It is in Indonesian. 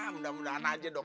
kejadian aja dong